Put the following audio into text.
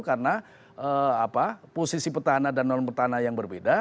karena posisi petahana dan non petahana yang berbeda